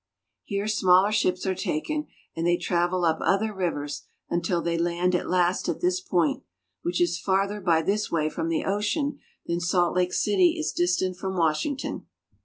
Here smaller ships are taken, and they travel up other rivers until they land at last at this point, which is farther by this way from the ocean than Salt Lake City is distant from Washington.